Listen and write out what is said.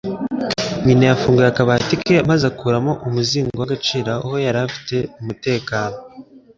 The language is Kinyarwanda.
Nyina yafunguye akabati ke maze akuramo umuzingo w'agaciro aho yari afite umutekano.